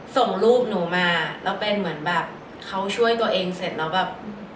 ส่งรูปหนูมาแล้วเป็นเหมือนแบบเขาช่วยตัวเองเสร็จแล้วแบบ